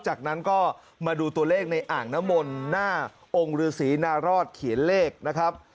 จากนั้นก็มาดูตัวเลขในอ่างน้ำมนต์หน้าองค์ฤษีนารอดเขียนเลขนะครับ